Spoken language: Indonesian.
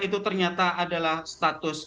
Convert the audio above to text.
itu ternyata adalah status